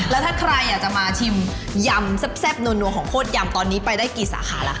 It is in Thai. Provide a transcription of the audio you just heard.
แล้วถ้าใครอยากจะมาชิมยำแซ่บนัวของโคตรยำตอนนี้ไปได้กี่สาขาแล้วค